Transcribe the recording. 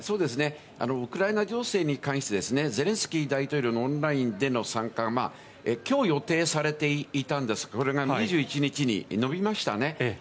ウクライナ情勢に関してゼレンスキー大統領のオンラインでの参加がきょう予定されていたんですけれども、これが２１日に延びましたね。